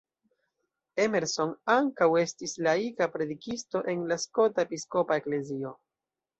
Emerson ankaŭ estis laika predikisto en la Skota Episkopa Eklezio.